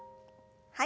はい。